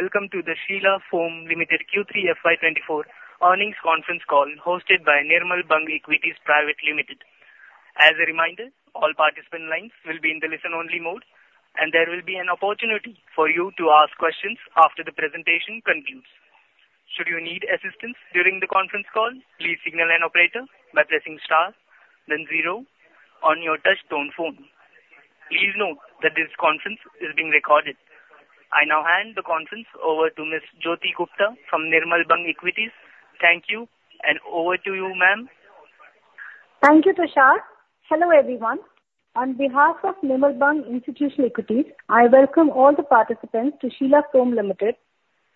...Welcome to the Sheela Foam Limited Q3 FY24 Earnings Conference Call, hosted by Nirmal Bang Equities Private Limited. As a reminder, all participant lines will be in the listen-only mode, and there will be an opportunity for you to ask questions after the presentation concludes. Should you need assistance during the conference call, please signal an operator by pressing star then zero on your touchtone phone. Please note that this conference is being recorded. I now hand the conference over to Ms. Jyoti Gupta from Nirmal Bang Equities. Thank you, and over to you, ma'am. Thank you, Tushar. Hello, everyone. On behalf of Nirmal Bang Institutional Equities, I welcome all the participants to Sheela Foam Limited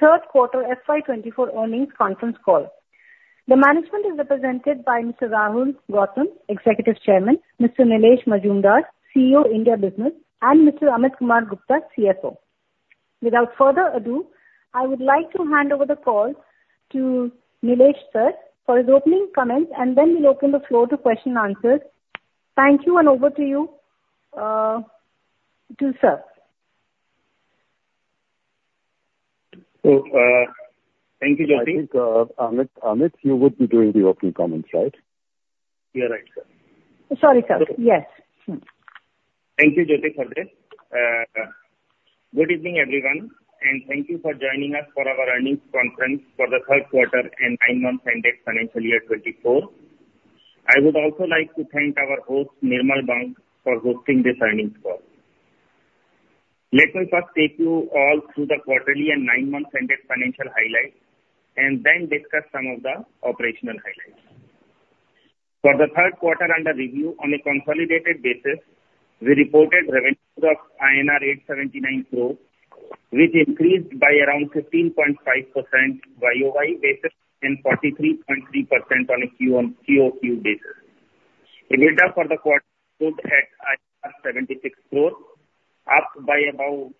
third quarter FY24 earnings conference call. The management is represented by Mr. Rahul Gautam, Executive Chairman; Mr. Nilesh Mazumdar, CEO, India Business; and Mr. Amit Kumar Gupta, CFO. Without further ado, I would like to hand over the call to Nilesh Sir for his opening comments, and then we'll open the floor to question-and-answers. Thank you, and over to you, Tushar. Thank you, Jyoti. I think, Amit, Amit, you would be doing the opening comments, right? You're right, sir. Sorry, sir. Yes. Hmm. Thank you, Jyoti, for this. Good evening, everyone, and thank you for joining us for our earnings conference for the third quarter and nine-month ended financial year 2024. I would also like to thank our host, Nirmal Bang, for hosting this earnings call. Let me first take you all through the quarterly and nine-month ended financial highlights, and then discuss some of the operational highlights. For the third quarter under review, on a consolidated basis, we reported revenue of INR 879 crore, which increased by around 15.5% YoY basis and 43.3% on a QOQ basis. EBITDA for the quarter stood at 76 crore, up by about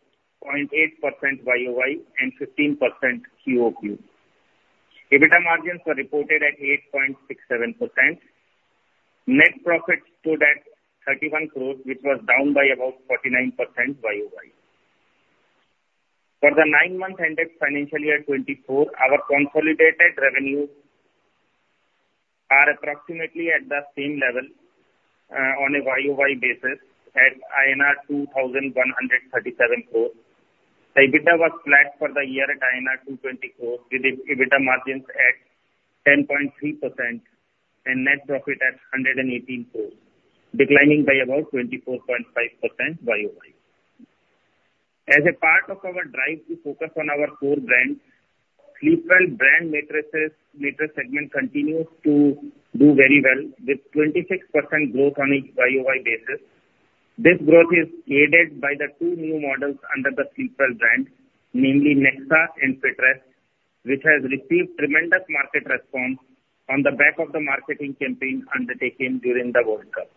0.8% YoY and 15% QOQ. EBITDA margins were reported at 8.67%. Net profit stood at 31 crore, which was down by about 49% YoY. For the nine months ended financial year 2024, our consolidated revenues are approximately at the same level, on a YoY basis at INR 2,137 crore. EBITDA was flat for the year at INR 220 crore, with EBITDA margins at 10.3% and net profit at 118 crore, declining by about 24.5% YoY. As a part of our drive to focus on our core brands, Sleepwell brand mattresses, mattress segment continues to do very well, with 26% growth on a YoY basis. This growth is aided by the two new models under the Sleepwell brand, namely Nexa and FitRest, which has received tremendous market response on the back of the marketing campaign undertaken during the World Cup.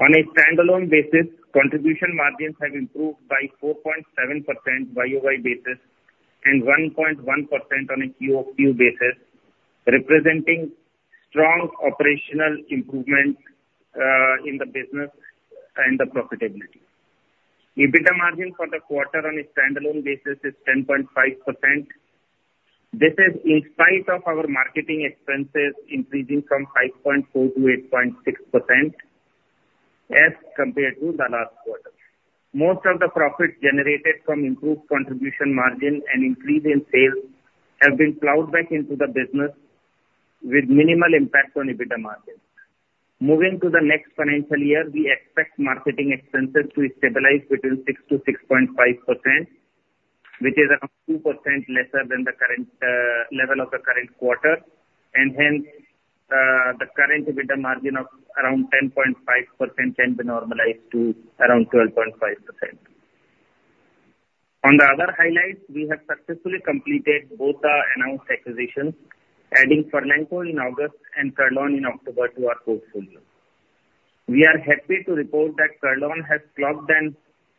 On a standalone basis, contribution margins have improved by 4.7% YoY basis and 1.1% on a QOQ basis, representing strong operational improvements in the business and the profitability. EBITDA margin for the quarter on a standalone basis is 10.5%. This is in spite of our marketing expenses increasing from 5.4%-8.6% as compared to the last quarter. Most of the profit generated from improved contribution margin and increase in sales have been plowed back into the business with minimal impact on EBITDA margins. Moving to the next financial year, we expect marketing expenses to stabilize between 6%-6.5%, which is around 2% lesser than the current level of the current quarter, and hence, the current EBITDA margin of around 10.5% can be normalized to around 12.5%. On the other highlights, we have successfully completed both our announced acquisitions, adding Furlenco in August and Kurlon in October to our portfolio. We are happy to report that Kurlon has clocked in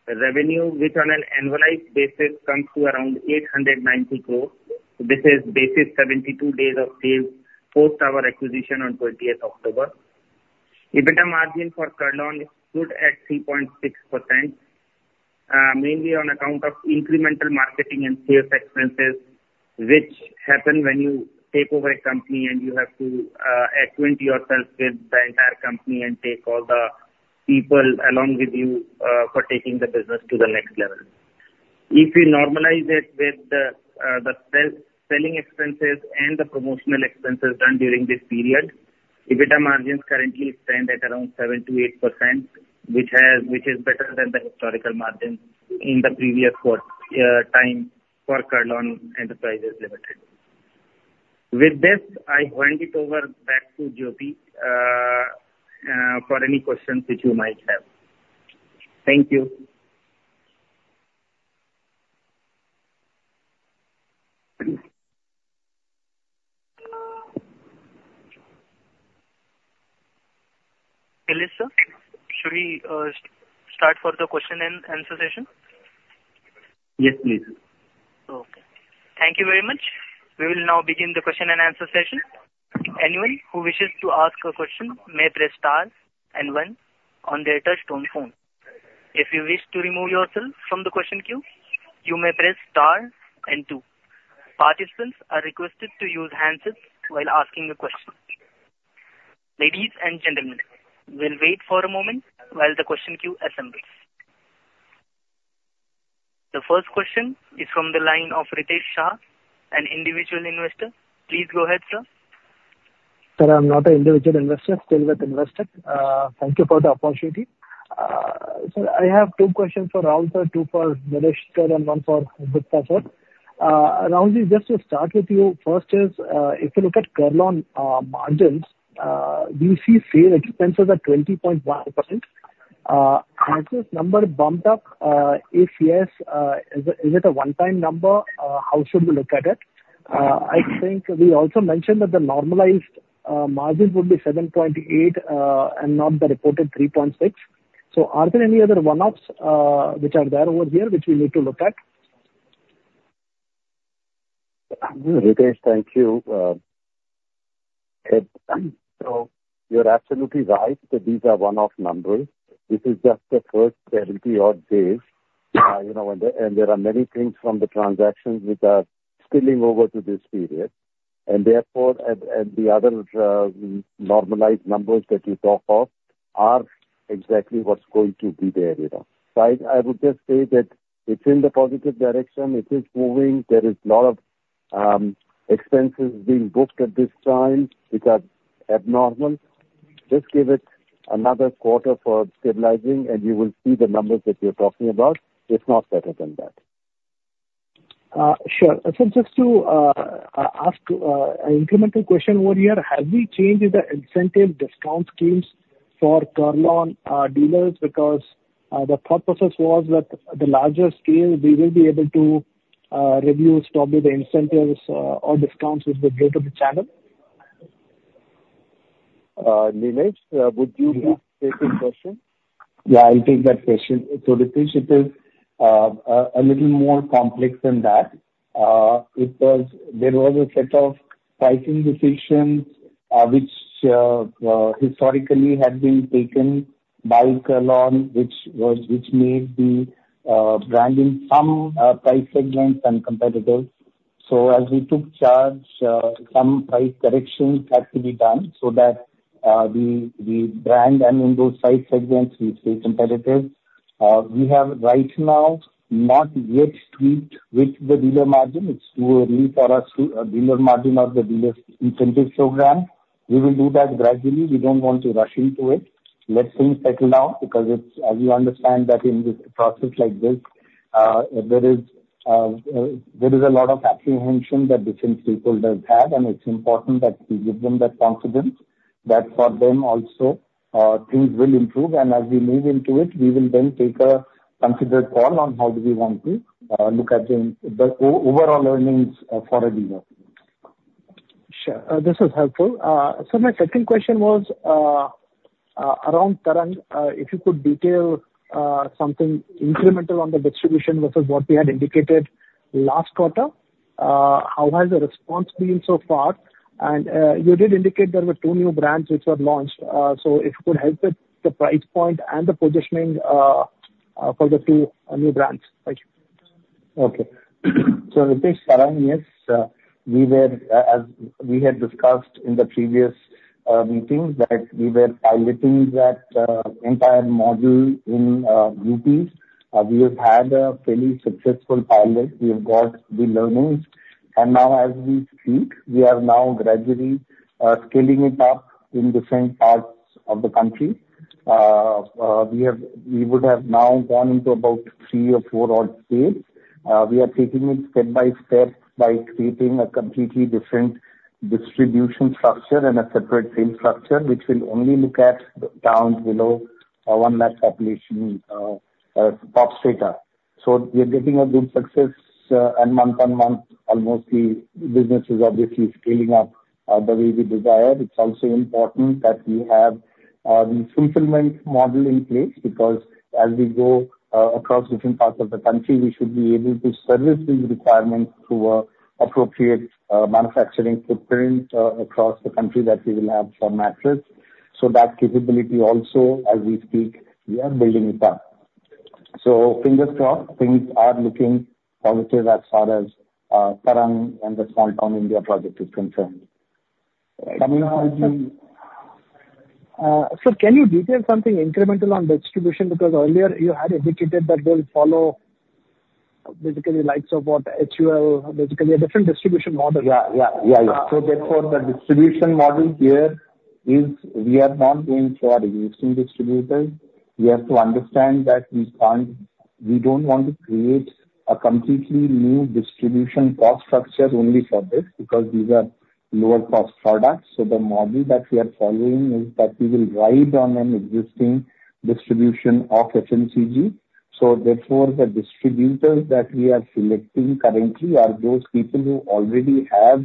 revenue, which on an annualized basis comes to around 890 crore. This is basis 72 days of sales post our acquisition on 20th October. EBITDA margin for Kurlon is good at 3.6%, mainly on account of incremental marketing and sales expenses, which happen when you take over a company and you have to acquaint yourself with the entire company and take all the people along with you for taking the business to the next level. If we normalize it with the selling expenses and the promotional expenses done during this period, EBITDA margins currently stand at around 7%-8%, which is better than the historical margin in the previous quarter time for Kurlon Enterprise Limited. With this, I hand it over back to Jyoti for any questions which you might have. Thank you. Hello, sir. Should we start for the question-and-answer session? Yes, please. Okay. Thank you very much. We will now begin the question-and-answer session. Anyone who wishes to ask a question may press star and one on their touchtone phone. If you wish to remove yourself from the question queue, you may press star and two. Participants are requested to use handsets while asking a question. Ladies and gentlemen, we'll wait for a moment while the question queue assembles. The first question is from the line of Ritesh Shah, an individual investor. Please go ahead, sir. Sir, I'm not an individual investor, still with Investec. Thank you for the opportunity. So I have two questions for Rahul, sir, two for Nilesh, sir, and one for Gupta, sir. Rahul, just to start with you, first is, if you look at Kurlon, margins, we see sales expenses are 20.1%. Has this number bumped up? If yes, is it, is it a one-time number? How should we look at it? I think we also mentioned that the normalized margins would be 7.8, and not the reported 3.6. So are there any other one-offs, which are there over here, which we need to look at? Ritesh, thank you. So you're absolutely right that these are one-off numbers. This is just the first 30-odd days, you know, and there are many things from the transactions which are spilling over to this period. And therefore, the other normalized numbers that you talked of are exactly what's going to be there, you know. So I would just say that it's in the positive direction. It is moving. There is a lot of expenses being booked at this time, which are abnormal. Just give it another quarter for stabilizing, and you will see the numbers that you're talking about, if not better than that. Sure. So just to ask an incremental question over here, have we changed the incentive discount schemes for Kurlon dealers? Because the thought process was that the larger scale, we will be able to review, probably, the incentives or discounts which we give to the channel. Nilesh, would you take this question? Yeah, I'll take that question. So Ritesh, it is a little more complex than that, because there was a set of pricing decisions, which historically had been taken by Kurlon, which made the brand in some price segments uncompetitive. So as we took charge, some price corrections had to be done so that we, we brand and in those price segments, we stay competitive. We have right now not yet tweaked with the dealer margin. It's too early for us to dealer margin or the dealer's incentive program. We will do that gradually. We don't want to rush into it. Let things settle down, because it's, as you understand, that in this process like this, there is a lot of apprehension that different people does have, and it's important that we give them that confidence that for them also, things will improve. And as we move into it, we will then take a considered call on how do we want to look at the overall earnings for a dealer. Sure. This is helpful. So my second question was around Kurlon, if you could detail something incremental on the distribution versus what we had indicated last quarter. How has the response been so far? And you did indicate there were two new brands which were launched. So if you could help with the price point and the positioning for the two new brands. Thank you. Okay. So Ritesh, currently yes, we were, as we had discussed in the previous meetings, that we were piloting that entire module in UP. We have had a fairly successful pilot. We have got the learnings, and now as we speak, we are now gradually scaling it up in different parts of the country. We have, we would have now gone into about three or four odd states. We are taking it step by step, by creating a completely different distribution structure and a separate sales structure, which will only look at the towns below 1 lakh population, pop strata. So we are getting a good success, and month-on-month, almost the business is obviously scaling up the way we desire. It's also important that we have a fulfillment model in place, because as we go across different parts of the country, we should be able to service these requirements through an appropriate manufacturing footprint across the country that we will have for mattresses. So that capability also, as we speak, we are building it up. So fingers crossed, things are looking positive as far as Kurlon and the Small Town India project is concerned. Coming on the- So, can you detail something incremental on distribution? Because earlier you had indicated that they'll follow basically likes of what HUL, basically a different distribution model. Yeah. Yeah. Yeah, yeah. So therefore, the distribution model here is we are not going for existing distributors. We have to understand that we can't—we don't want to create a completely new distribution cost structure only for this, because these are lower cost products. So the model that we are following is that we will ride on an existing distribution of FMCG. So therefore, the distributors that we are selecting currently are those people who already have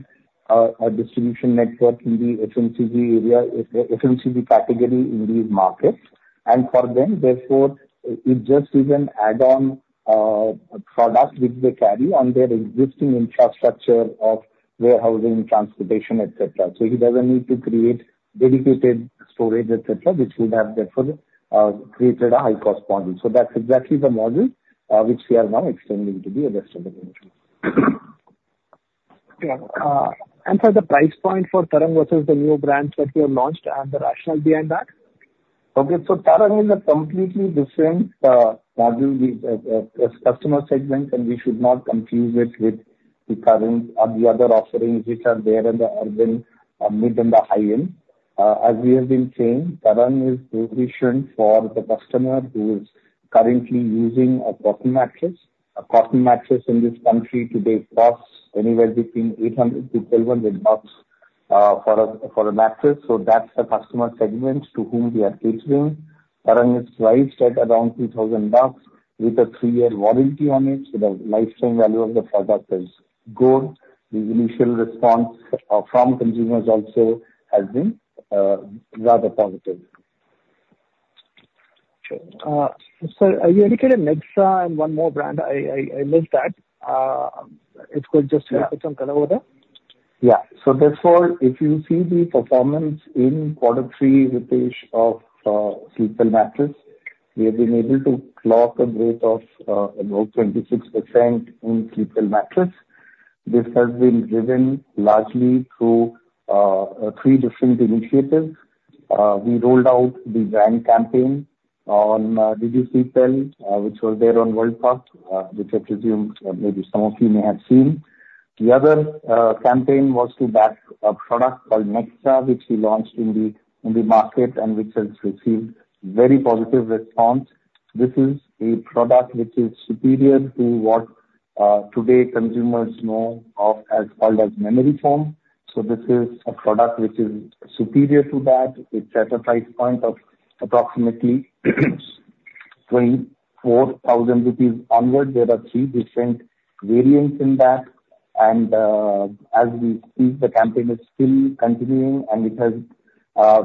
a distribution network in the FMCG area, FMCG category in these markets. And for them, therefore, it just is an add-on product which they carry on their existing infrastructure of warehousing, transportation, et cetera. So he doesn't need to create dedicated storage, et cetera, which would have therefore created a high cost model. That's exactly the model, which we are now extending to the rest of the country. Yeah. And for the price point for Tarang versus the new brands that you have launched and the rationale behind that? Okay, so Tarang is a completely different value customer segment, and we should not confuse it with the current or the other offerings which are there in the urban or mid and the high end. As we have been saying, Tarang is positioned for the customer who is currently using a cotton mattress. A cotton mattress in this country today costs anywhere between INR 800-INR 1,200 for a mattress, so that's the customer segment to whom we are catering. Tarang is priced at around INR 2,000 with a three-year warranty on it, so the lifetime value of the product is good. The initial response from consumers also has been rather positive. Sure. So you indicated Nexa and one more brand. I missed that. If you could just- Yeah. Help us on that a little there? Yeah. So therefore, if you see the performance in quarter three, Ritesh, of Sleepwell mattress, we have been able to clock a rate of about 26% in Sleepwell mattress. This has been driven largely through three different initiatives. We rolled out the brand campaign on Did You Sleep Well, which was there on World Cup, which I presume maybe some of you may have seen. The other campaign was to back a product called Nexa, which we launched in the market and which has received very positive response. This is a product which is superior to what today consumers know of as called as memory foam. So this is a product which is superior to that. It's at a price point of approximately 24,000 rupees onward. There are three different variants in that, and as we speak, the campaign is still continuing, and it has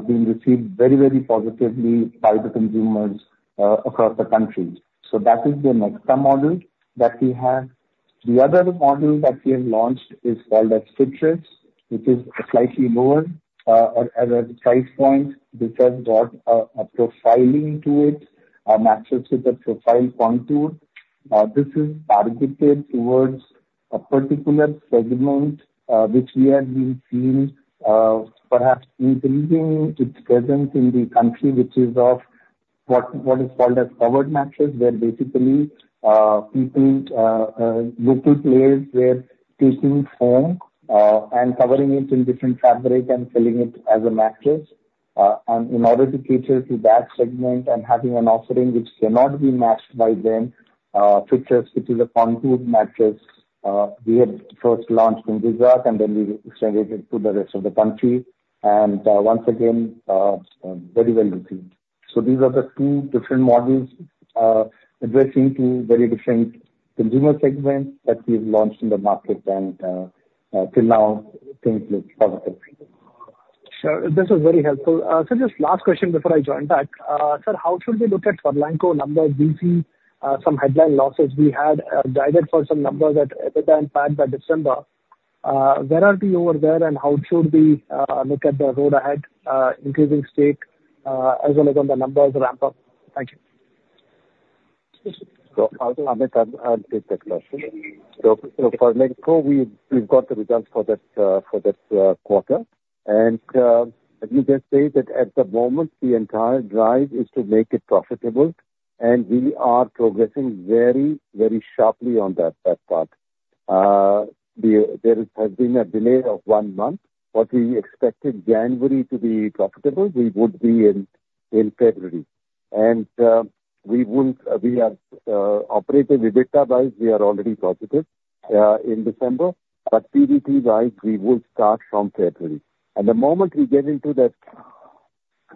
been received very, very positively by the consumers across the country. So that is the Nexa model that we have. The other model that we have launched is called as FitRest, which is slightly lower at a price point. This has got a profiling to it, a mattress with a profile contour. This is targeted towards a particular segment which we have been seeing perhaps increasing its presence in the country, which is of what is called as covered mattress, where basically people local players were taking foam and covering it in different fabric and selling it as a mattress. And in order to cater to that segment and having an offering which cannot be matched by them, FitRest, which is a contour mattress, we had first launched in Gujarat and then we extended it to the rest of the country. And, once again, very well received. So these are the two different models, addressing to very different consumer segments that we've launched in the market, and, till now, things look positive. Sure. This was very helpful. Just last question before I join back. Sir, how should we look at numbers? We see some headline losses. We had guided for some numbers at EBITDA and PAT by December. Where are we over there, and how should we look at the road ahead, increasing stake, as well as on the numbers ramp up? Thank you. So, Amit, I'll take that question. So, for Furlenco, we've got the results for that quarter. And, let me just say that at the moment, the entire drive is to make it profitable, and we are progressing very, very sharply on that part. There has been a delay of one month. What we expected January to be profitable, we would be in February. And, we are operating EBITDA-wise, we are already profitable in December, but PBT-wise, we would start from February. And the moment we get into that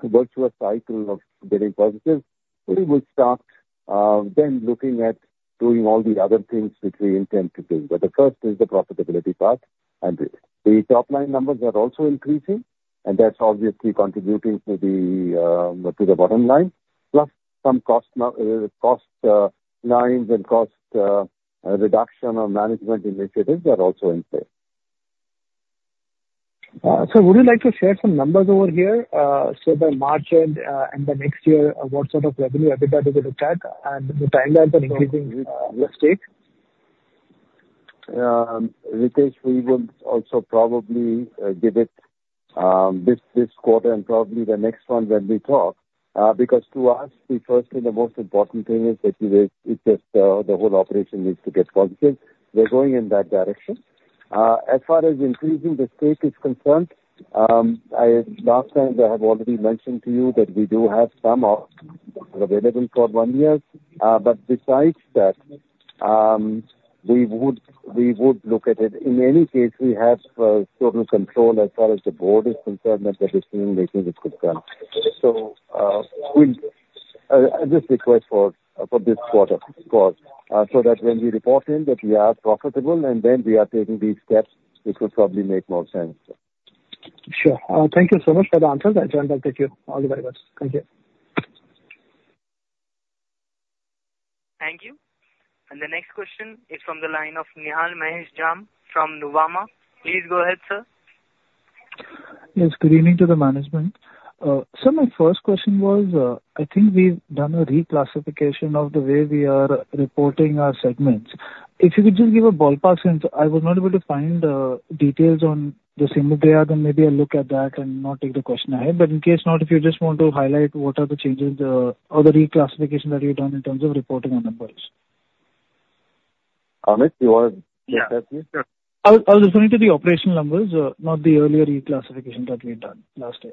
virtuous cycle of getting positive, we will start then looking at doing all the other things which we intend to do. But the first is the profitability part, and the top line numbers are also increasing, and that's obviously contributing to the bottom line, plus some cost lines and cost reduction or management initiatives are also in play. So would you like to share some numbers over here? So by March end, and the next year, what sort of revenue EBITDA we would expect, and the timelines on increasing your stake? Ritesh, we would also probably give it this quarter and probably the next one when we talk. Because to us, the first and the most important thing is that the whole operation needs to get positive. We're going in that direction. As far as increasing the stake is concerned, last time I have already mentioned to you that we do have some options available for one year. But besides that, we would look at it. In any case, we have total control as far as the board is concerned, and the decision making is concerned. So, we'll just request for this quarter, of course, so that when we report in that we are profitable and then we are taking these steps, which will probably make more sense. Sure. Thank you so much for the answers. I'll thank you all very much. Thank you. Thank you. The next question is from the line of Nihal Mahesh Jham from Nuvama. Please go ahead, sir. Yes, good evening to the management. So my first question was, I think we've done a reclassification of the way we are reporting our segments. If you could just give a ballpark sense, I was not able to find details on the same area, then maybe I'll look at that and not take the question ahead. But in case not, if you just want to highlight what are the changes, or the reclassification that you've done in terms of reporting the numbers. Amit, you want to take that please? Yeah. I was referring to the operational numbers, not the earlier reclassification that we had done last year.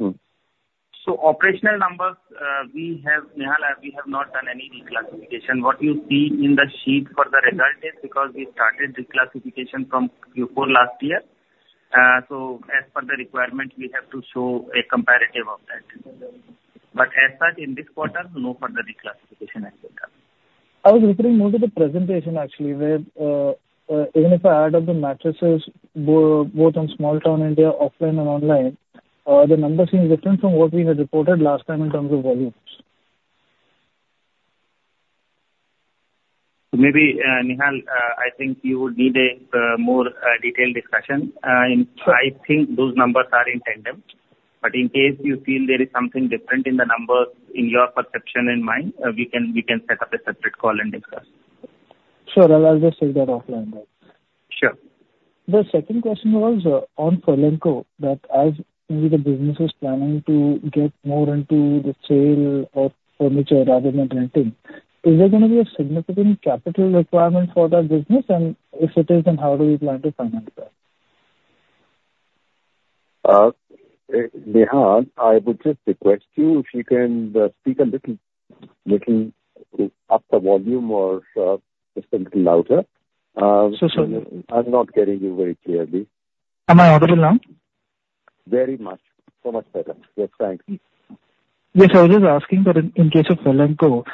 Mm. So operational numbers, we have, Nihal, we have not done any reclassification. What you see in the sheet for the result is because we started reclassification from Q4 last year. So as per the requirement, we have to show a comparative of that. But as such, in this quarter, no further reclassification has been done. I was referring more to the presentation, actually, where even if I add up the mattresses, both on Small Town India, offline and online, the numbers seem different from what we had reported last time in terms of volumes. Maybe, Nihal, I think you would need a more detailed discussion. I think those numbers are in tandem, but in case you feel there is something different in the numbers in your perception and mine, we can, we can set up a separate call and discuss. Sure, I'll just take that offline then. Sure. The second question was on Furlenco, that as the business is planning to get more into the sale of furniture rather than renting, is there gonna be a significant capital requirement for that business? And if it is, then how do you plan to finance that? Nihal, I would just request you, if you can, speak a little, little up the volume or just a little louder. So sorry. I'm not getting you very clearly. Am I audible now? Very much. So much better. Yes, thank you. Yes, I was just asking, but in case of Furlenco,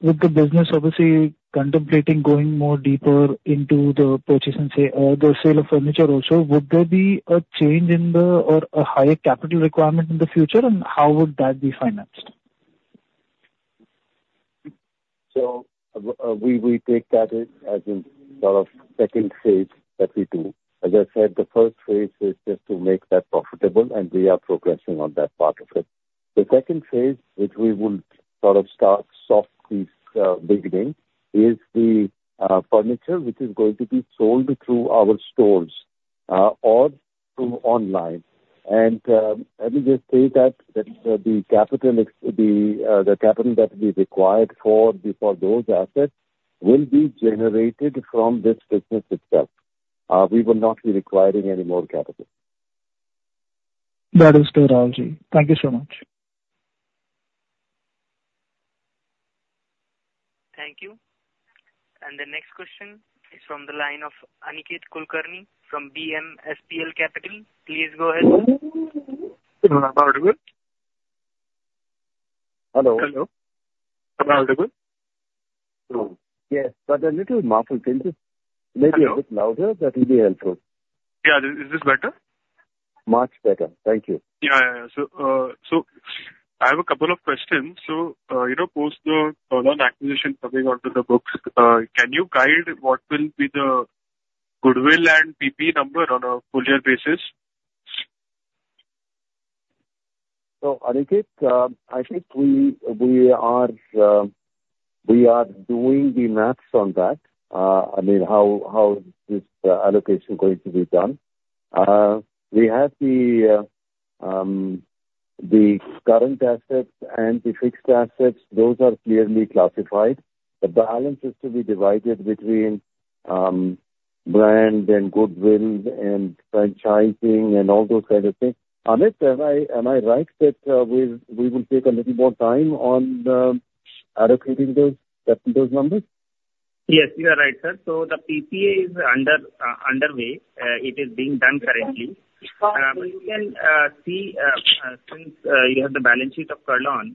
with the business obviously contemplating going more deeper into the purchase and say, the sale of furniture also, would there be a change in the or a higher capital requirement in the future, and how would that be financed? So we take that as a sort of second phase that we do. As I said, the first phase is just to make that profitable, and we are progressing on that part of it. The second phase, which we would sort of start softly beginning, is the furniture, which is going to be sold through our stores or through online. Let me just say that the capital that will be required for those assets will be generated from this business itself. We will not be requiring any more capital. That is clear, Rahulji. Thank you so much. Thank you. And the next question is from the line of Aniket Kulkarni from BMSPL Capital. Please go ahead. Am I audible? Hello. Hello. Am I audible? Yes, but a little muffled. Can you make it a bit louder? That will be helpful. Yeah. Is this better? Much better. Thank you. Yeah. Yeah. So, I have a couple of questions. So, you know, post the acquisition coming onto the books, can you guide what will be the goodwill and PP number on a full year basis? So, Aniket, I think we are doing the math on that. I mean, how this allocation is going to be done. We have the current assets and the fixed assets, those are clearly classified. The balance is to be divided between brand and goodwill and franchising and all those kinds of things. Amit, am I right that we'll take a little more time on allocating those, getting those numbers? Yes, you are right, sir. So the PPA is under, underway. It is being done currently. You can see, since you have the balance sheet of Kurlon,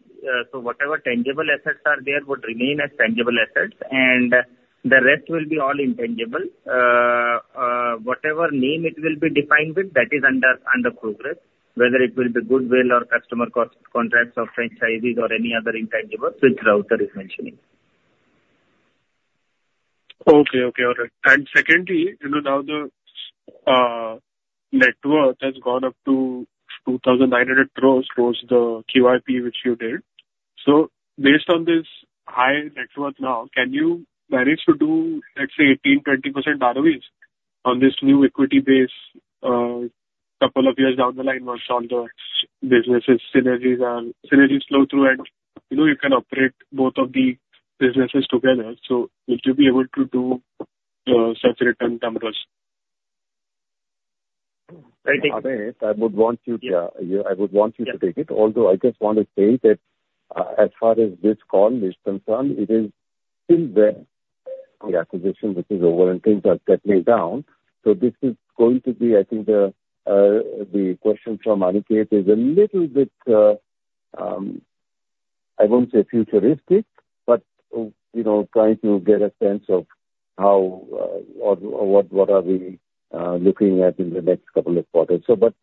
so whatever tangible assets are there would remain as tangible assets, and the rest will be all intangible. Whatever name it will be defined with, that is under progress. Whether it will be goodwill or customer contracts or franchisees or any other intangible, which Rahul sir is mentioning. Okay. Okay. All right. And secondly, you know, now the net worth has gone up to 2,900 crore post the QIP, which you did. So based on this high net worth now, can you manage to do, let's say, 18%-20% ROEs on this new equity base, couple of years down the line, once all the businesses synergies are... synergies flow through and, you know, you can operate both of the businesses together. So would you be able to do some-... Amit, I would want you to, yeah, I would want you to take it. Although I just want to say that, as far as this call is concerned, it is still the acquisition which is over and things are settling down. So this is going to be, I think, the question from Aniket is a little bit, I won't say futuristic, but, you know, trying to get a sense of how or what we are looking at in the next couple of quarters. So but,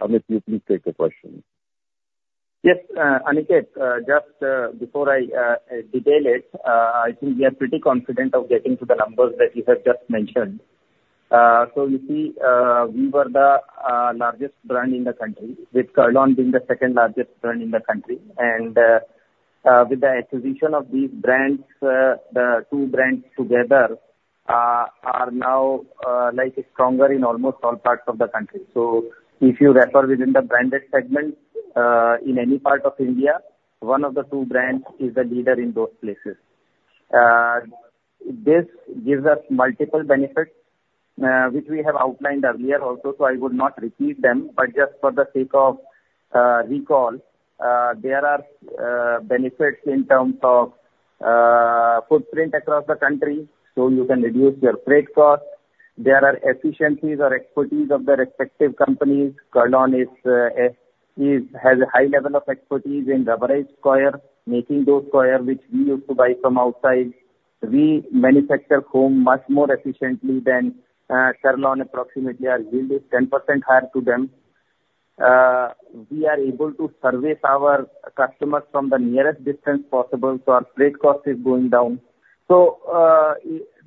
Amit, you please take the question. Yes, Aniket, just, before I, detail it, I think we are pretty confident of getting to the numbers that you have just mentioned. So you see, we were the, largest brand in the country, with Kurl-On being the second largest brand in the country. And, with the acquisition of these brands, the two brands together, are now, like stronger in almost all parts of the country. So if you refer within the branded segment, in any part of India, one of the two brands is the leader in those places. This gives us multiple benefits, which we have outlined earlier also, so I would not repeat them, but just for the sake of recall, there are benefits in terms of footprint across the country, so you can reduce your freight costs. There are efficiencies or expertise of the respective companies. Kurlon has a high level of expertise in rubberized coir, making those coir, which we used to buy from outside. We manufacture foam much more efficiently than Kurlon. Approximately our yield is 10% higher to them. We are able to service our customers from the nearest distance possible, so our freight cost is going down. So,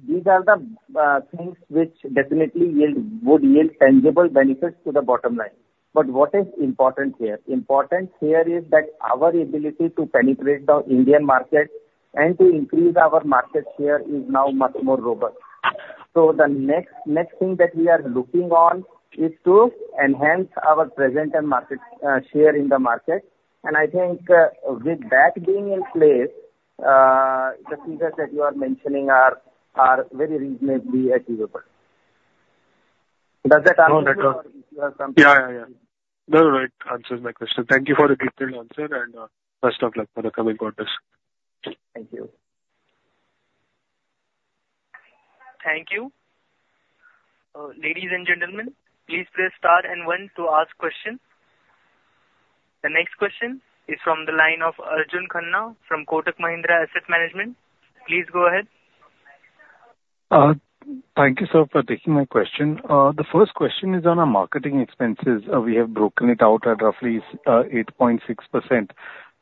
these are the things which definitely yield, would yield tangible benefits to the bottom line. But what is important here? Important here is that our ability to penetrate the Indian market and to increase our market share is now much more robust. So the next thing that we are looking on is to enhance our presence and market share in the market. And I think, with that being in place, the figures that you are mentioning are very reasonably achievable. Does that answer or if you have something- Yeah, yeah, yeah. No, no, it answers my question. Thank you for the detailed answer, and best of luck for the coming quarters. Thank you. Thank you. Ladies and gentlemen, please press star and one to ask questions. The next question is from the line of Arjun Khanna from Kotak Mahindra Asset Management. Please go ahead. Thank you, sir, for taking my question. The first question is on our marketing expenses. We have broken it out at roughly 8.6%. Essentially,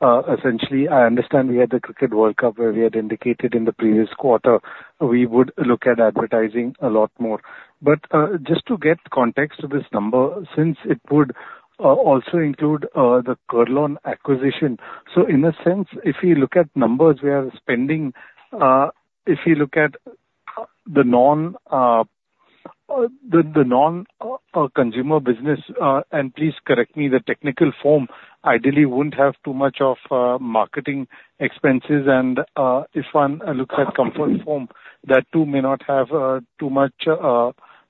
I understand we had the Cricket World Cup, where we had indicated in the previous quarter we would look at advertising a lot more. But just to get context to this number, since it would also include the Kurlon acquisition. So in a sense, if you look at numbers, we are spending, if you look at the non consumer business, and please correct me, the technical foam ideally wouldn't have too much of marketing expenses. And if one looks at comfort foam, that too may not have too much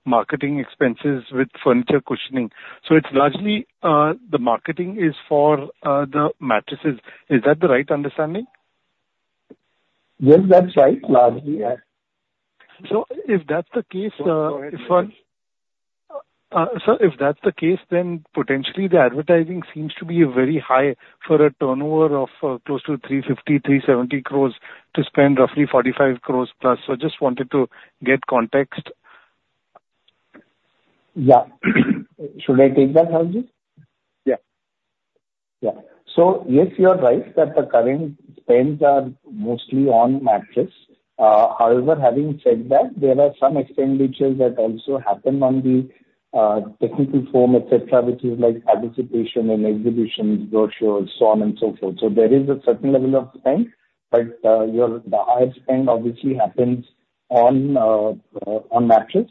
marketing expenses with furniture cushioning. It's largely the marketing is for the mattresses. Is that the right understanding? Yes, that's right. Largely, yeah. So if that's the case, if one- Go ahead. Sir, if that's the case, then potentially the advertising seems to be very high for a turnover of close to 350-370 crores to spend roughly 45 crores+. So just wanted to get context. Yeah. Should I take that, Sanjeev? Yeah. Yeah. So yes, you are right that the current spends are mostly on mattress. However, having said that, there are some expenditures that also happen on the technical foam, et cetera, which is like participation in exhibitions, brochures, so on and so forth. So there is a certain level of spend, but the high spend obviously happens on mattress.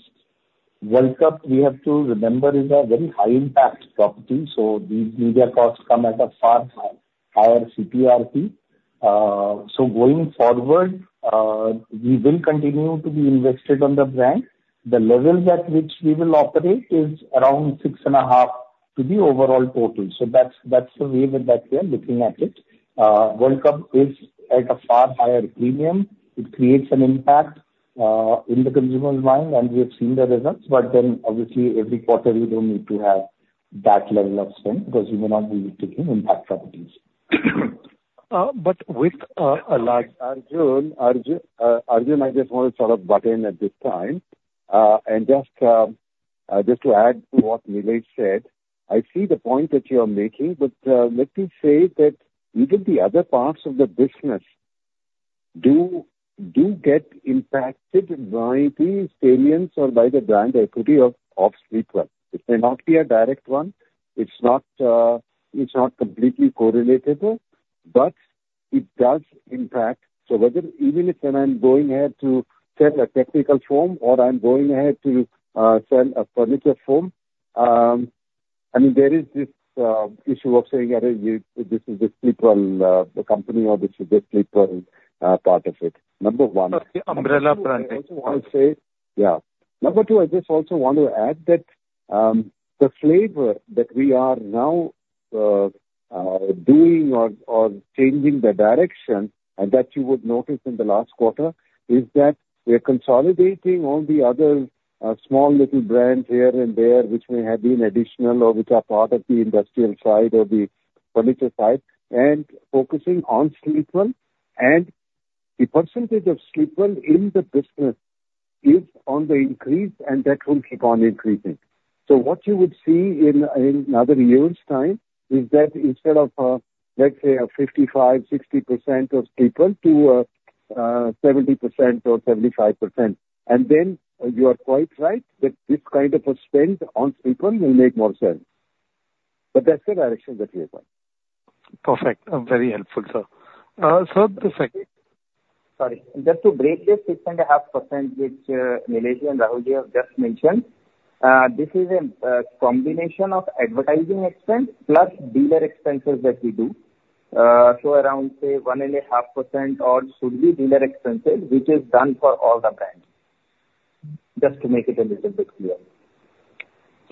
World Cup, we have to remember, is a very high impact property, so these media costs come at a far higher CPRP. So going forward, we will continue to be invested on the brand. The level that which we will operate is around 6.5 to the overall total. So that's the way that we are looking at it. World Cup is at a far higher premium. It creates an impact, in the consumer's mind, and we have seen the results. But then obviously, every quarter, you don't need to have that level of spend, because you may not be taking impact properties. but with a large- Arjun, I just want to sort of butt in at this time. And just to add to what Nilesh said, I see the point that you are making, but let me say that even the other parts of the business do get impacted by the salience or by the brand equity of Sleepwell. It may not be a direct one. It's not completely correlatable, but it does impact. So whether even if when I'm going ahead to sell a technical foam or I'm going ahead to sell a furniture foam, I mean, there is this issue of saying that this is just Sleepwell, the company, or this is just Sleepwell, part of it, number one. Umbrella branding. I'll say, yeah. Number two, I just also want to add that the flavor that we are now doing or changing the direction, and that you would notice in the last quarter, is that we are consolidating all the other small little brands here and there, which may have been additional or which are part of the industrial side or the furniture side, and focusing on Sleepwell. And the percentage of Sleepwell in the business is on the increase, and that will keep on increasing. So what you would see in another year's time is that instead of, let's say, 55-60% of Sleepwell to 70% or 75%. And then you are quite right, that this kind of a spend on Sleepwell will make more sense. But that's the direction that we are going. Perfect. Very helpful, sir. Sir, the second- Sorry, just to break this 6.5%, which, Nilesh and Rahul here just mentioned, this is a combination of advertising expense plus dealer expenses that we do. So around, say, 1.5% or should be dealer expenses, which is done for all the brands. Just to make it a little bit clear.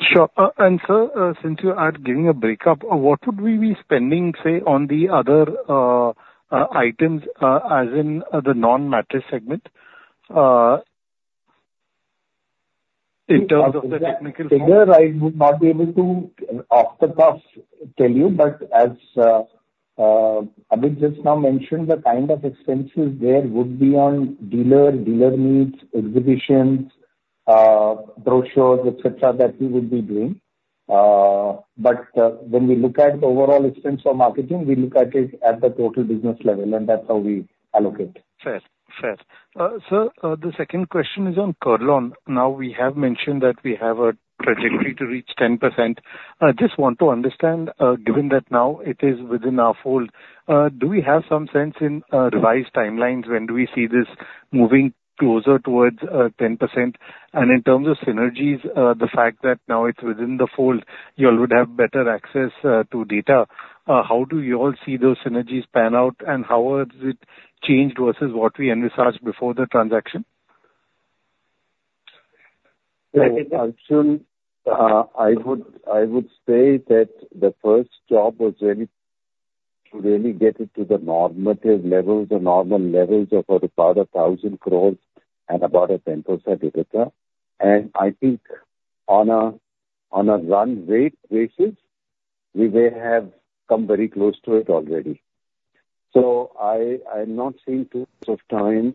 Sure. And sir, since you are giving a breakup, what would we be spending, say, on the other items, as in the non-mattress segment, in terms of the technical side? figure I would not be able to, off the cuff, tell you, but as Amit just now mentioned, the kind of expenses there would be on dealer needs, exhibitions, brochures, et cetera, that we would be doing. But when we look at the overall expense for marketing, we look at it at the total business level, and that's how we allocate. Fair. Fair. Sir, the second question is on Kurlon. Now, we have mentioned that we have a trajectory to reach 10%. I just want to understand, given that now it is within our fold, do we have some sense in revised timelines? When do we see this moving closer towards 10%? And in terms of synergies, the fact that now it's within the fold, you all would have better access to data. How do you all see those synergies pan out, and how has it changed versus what we envisaged before the transaction? So, Arjun, I would, I would say that the first job was really to really get it to the normative levels, the normal levels of about 1,000 crores and about a 10% EBITDA. And I think on a run rate basis, we may have come very close to it already. So I, I'm not saying too much of time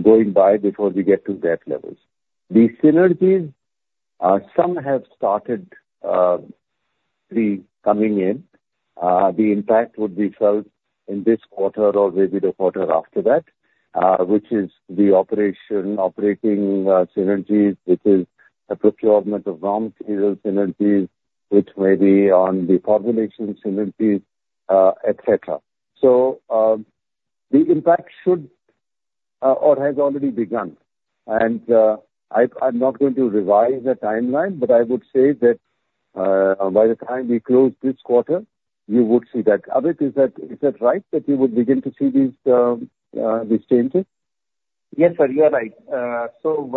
going by before we get to that levels. The synergies, some have started, the coming in. The impact would be felt in this quarter or maybe the quarter after that, which is the operating synergies, which is the procurement of raw material synergies, which may be on the formulation synergies, et cetera. So, the impact should, or has already begun, and, I'm not going to revise the timeline, but I would say that, by the time we close this quarter, you would see that. Amit, is that, is that right, that you would begin to see these changes? Yes, sir, you are right. So,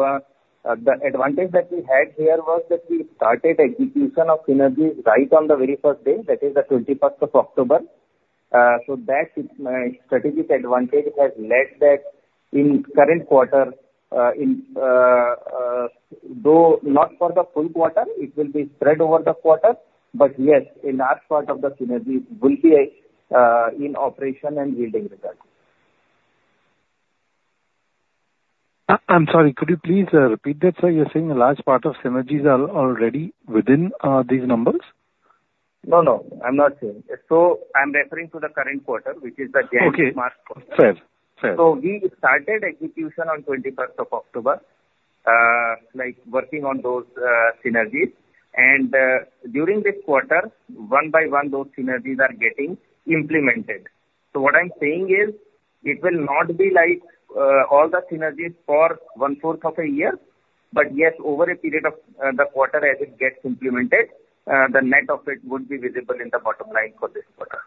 the advantage that we had here was that we started execution of synergies right on the very first day, that is the twenty-first of October. So that strategic advantage has led that in current quarter, in, though not for the full quarter, it will be spread over the quarter, but yes, a large part of the synergy will be in operation and yielding results. I'm sorry, could you please repeat that, sir? You're saying a large part of synergies are already within these numbers? No, no, I'm not saying. I'm referring to the current quarter, which is the January- Okay. -March quarter. Fair. Fair. So we started execution on 21st of October, like, working on those synergies. And, during this quarter, one by one, those synergies are getting implemented. So what I'm saying is, it will not be like, all the synergies for one fourth of a year, but yes, over a period of, the quarter as it gets implemented, the net of it would be visible in the bottom line for this quarter.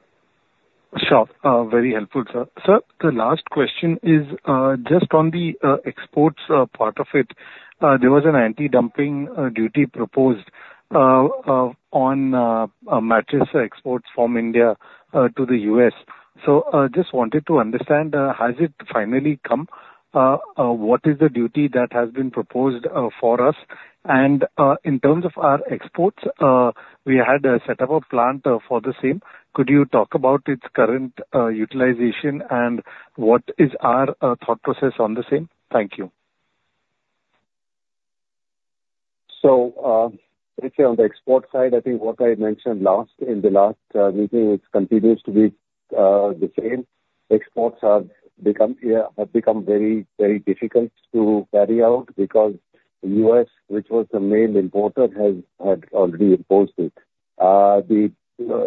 Sure. Very helpful, sir. Sir, the last question is, just on the, exports, part of it. There was an anti-dumping, duty proposed, on, mattress exports from India, to the U.S. So, just wanted to understand, has it finally come? What is the duty that has been proposed, for us? And, in terms of our exports, we had a set up a plant, for the same. Could you talk about its current, utilization, and what is our, thought process on the same? Thank you. So, basically on the export side, I think what I mentioned last, in the last meeting, it continues to be the same. Exports have become very, very difficult to carry out because U.S., which was the main importer, has already imposed it. The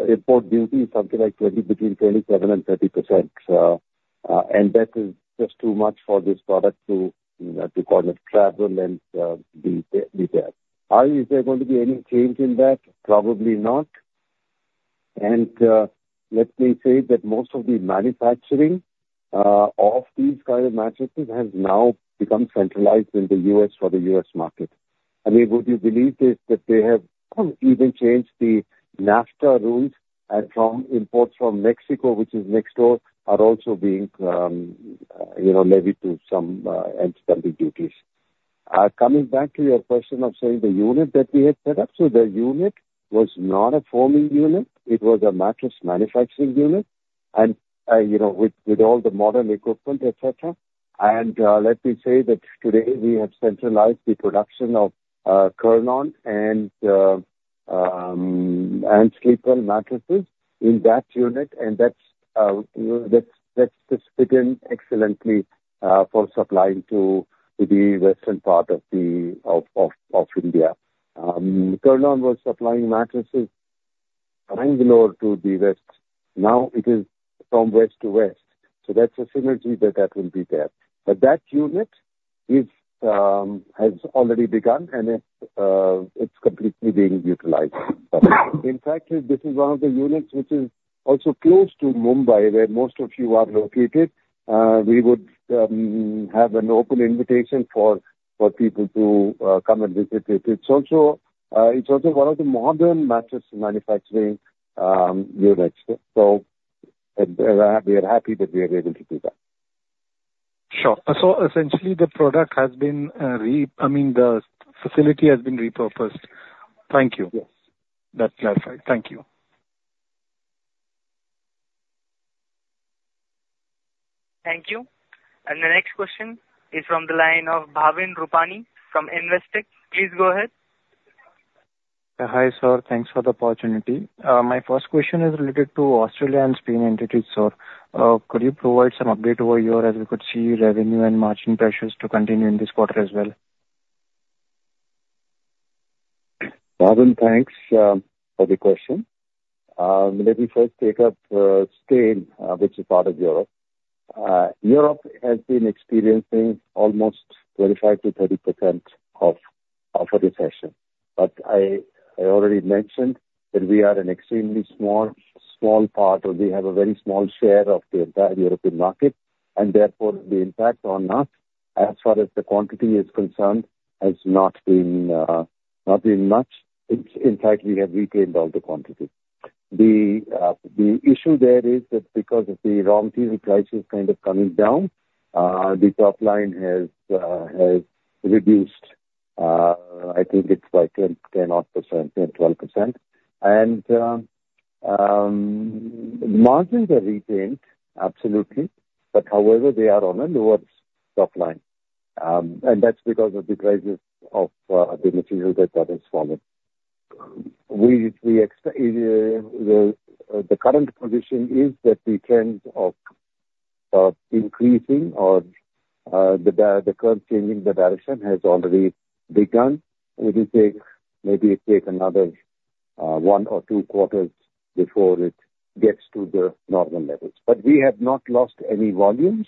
import duty is something like 20, between 27% and 30%. And that is just too much for this product to call it travel and be there. Are there going to be any change in that? Probably not. And let me say that most of the manufacturing of these kind of mattresses has now become centralized in the U.S. for the U.S. market. I mean, would you believe this, that they have even changed the NAFTA rules, and from imports from Mexico, which is next door, are also being, you know, levied to some anti-dumping duties. Coming back to your question of saying the unit that we had set up, so the unit was not a foaming unit, it was a mattress manufacturing unit. And, you know, with, with all the modern equipment, et cetera. And, let me say that today we have centralized the production of Kurlon and Sleepwell mattresses in that unit, and that's, you know, that's, that's just fit in excellently, for supplying to, to the western part of the, of, of, of India. Kurlon was supplying mattresses Bangalore to the west. Now it is from west to west, so that's a synergy that, that will be there. But that unit is, has already begun, and it's completely being utilized. In fact, this is one of the units which is also close to Mumbai, where most of you are located. We would have an open invitation for people to come and visit it. It's also one of the modern mattress manufacturing units. So we are happy that we are able to do that. Sure. So essentially, the product has been, I mean, the facility has been repurposed. Thank you. Yes. That's clarified. Thank you. Thank you. The next question is from the line of Bhavin Rupani from Investec. Please go ahead. Hi, sir. Thanks for the opportunity. My first question is related to Australia and Spain entities, sir. Could you provide some update over here, as we could see revenue and margin pressures to continue in this quarter as well? Bhavin, thanks for the question. Let me first take up Spain, which is part of Europe. Europe has been experiencing almost 25%-30% of a recession, but I already mentioned that we are an extremely small, small part, or we have a very small share of the entire European market, and therefore, the impact on us, as far as the quantity is concerned, has not been much. In fact, we have reclaimed all the quantity. The issue there is that because of the raw material prices kind of coming down, the top line has reduced. I think it's like 10%-12%. And margins are retained, absolutely, but however, they are on a lower top line. And that's because of the prices of the material that has fallen. The current position is that the trends of increasing or the direction the curve changing the direction has already begun. It will take, maybe it take another one or two quarters before it gets to the normal levels. But we have not lost any volumes.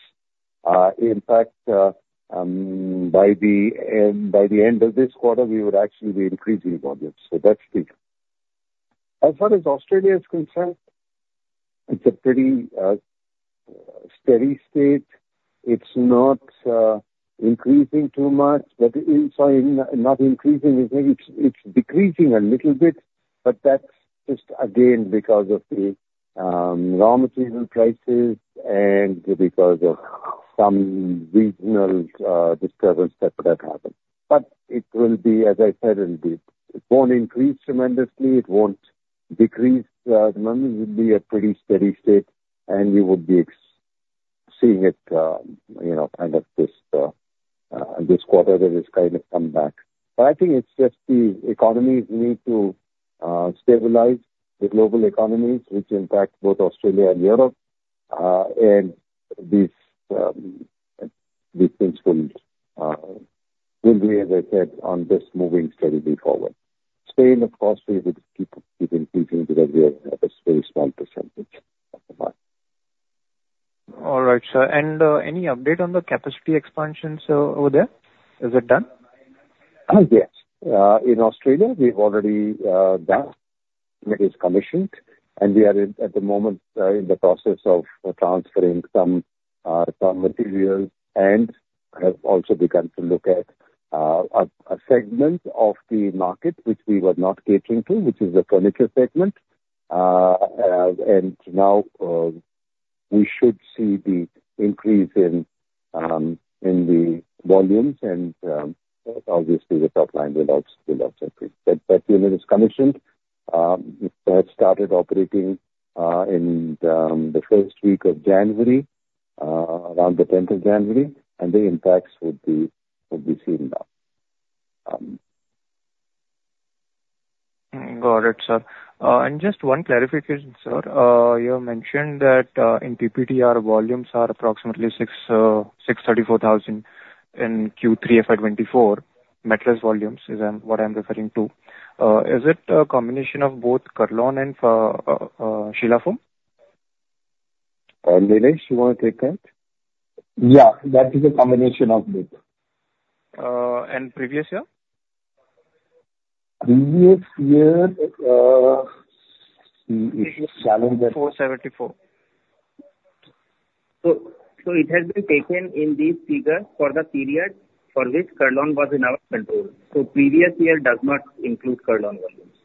In fact, by the end of this quarter, we would actually be increasing volumes, so that's good. As far as Australia is concerned, it's a pretty steady state. It's not increasing too much, but it's not increasing. It's decreasing a little bit, but that's just again because of the raw material prices and because of some regional disturbance that happened. But it will be, as I said, in the... It won't increase tremendously, it won't decrease much. It will be a pretty steady state, and we would be expecting it, you know, kind of this quarter that it's kind of come back. But I think it's just the economies need to stabilize, the global economies, which impact both Australia and Europe. And these things will be, as I said, moving steadily forward. Spain, of course, we would keep increasing because we are at a very small percentage of the market. All right, sir. And, any update on the capacity expansions, over there? Is it done? Yes. In Australia, we've already done. It is commissioned, and we are at the moment in the process of transferring some materials, and have also begun to look at a segment of the market which we were not catering to, which is the furniture segment. And now we should see the increase in the volumes and obviously, the top line will also increase. That unit is commissioned, it had started operating in the first week of January around the tenth of January, and the impacts would be seen now. Got it, sir. Just one clarification, sir. You have mentioned that, in PPTR, volumes are approximately 634,000 in Q3 FY 2024. Mattress volumes, what I'm referring to. Is it a combination of both Kurlon and Sheela Foam? Nilesh, you want to take that? Yeah, that is a combination of both. Previous year? Previous year, it is challenging- 474. So, so it has been taken in this figure for the period for which Kurlon was in our control. So previous year does not include Kurlon volumes.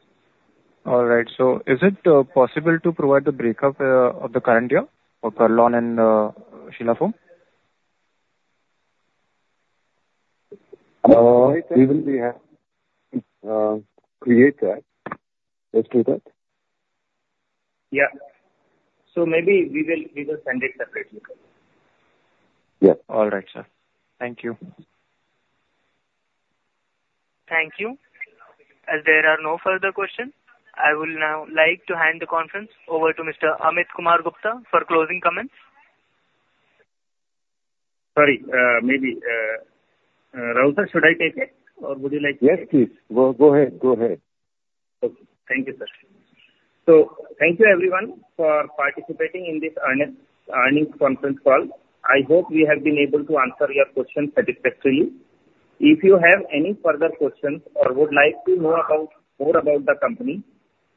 All right. So is it possible to provide the breakup of the current year for Kurlon and Sheela Foam? We will create that. Let's do that. Yeah. Maybe we will send it separately. Yeah. All right, sir. Thank you. Thank you. As there are no further question, I will now like to hand the conference over to Mr. Amit Kumar Gupta for closing comments. Sorry, maybe, Rahul sir, should I take it, or would you like to? Yes, please. Go, go ahead. Go ahead. Okay. Thank you, sir. Thank you everyone for participating in this earnings, earnings conference call. I hope we have been able to answer your questions satisfactorily. If you have any further questions or would like to know about, more about the company,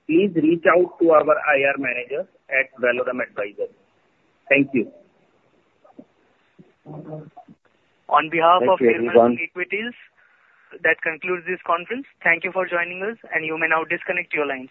please reach out to our IR manager at Valorem Advisors. Thank you. On behalf of- Thank you, everyone.... equities, that concludes this conference. Thank you for joining us, and you may now disconnect your lines.